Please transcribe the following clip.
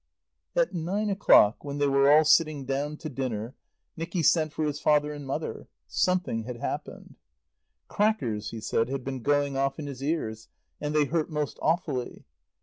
At nine o'clock, when they were all sitting down to dinner, Nicky sent for his father and mother. Something had happened. Crackers, he said, had been going off in his ears, and they hurt most awfully.